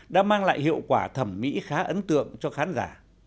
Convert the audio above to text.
đã mang lại hiệu quả thẩm mỹ khá ấn tượng cho khán giả